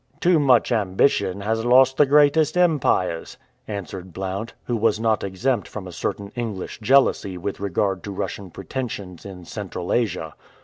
"Too much ambition has lost the greatest empires," answered Blount, who was not exempt from a certain English jealousy with regard to Russian pretensions in Central Asia.